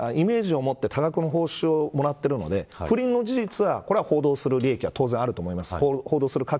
タレントですからイメージをもって多額の報酬をもらっているので不倫の事実は報道する利益はあると思います。